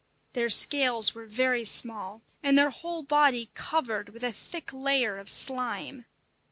Their scales were very small, and their whole body covered with a thick layer of slime.